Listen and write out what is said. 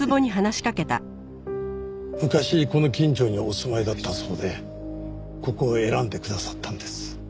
昔この近所にお住まいだったそうでここを選んでくださったんです。